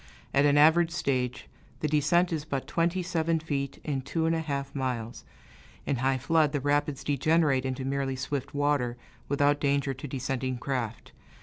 At an average stage, the descent is but twenty seven feet in two and a half miles; in high flood, the rapids degenerate into merely swift water, without danger to descending craft.